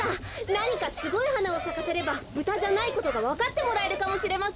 なにかすごいはなをさかせればブタじゃないことがわかってもらえるかもしれません。